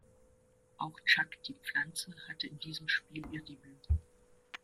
Auch "Chuck die Pflanze" hatte in diesem Spiel ihr Debüt.